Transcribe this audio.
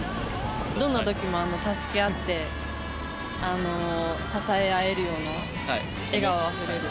どんなときも助け合って、支え合えるような笑顔あふれる。